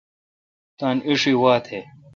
تان اݭی وا تھ۔